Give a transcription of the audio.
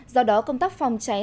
do đó công tác phòng cháy